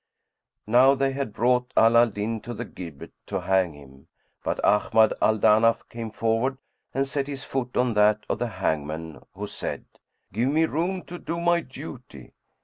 [FN#102] Now they had brought Ala al Din to the gibbet, to hang him, but Ahmad al Danaf came forward and set his foot on that of the hangman, who said, "Give me room to do my duty."